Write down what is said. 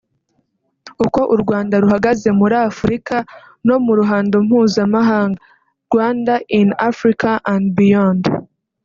Uko u Rwanda ruhagaze muri Afurika no mu ruhando mpuzamahanga (Rwanda in Africa and Beyond);